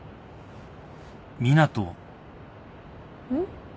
うん？